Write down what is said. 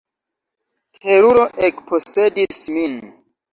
Teruro ekposedis min.